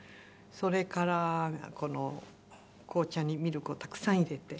それからこの紅茶にミルクをたくさん入れて。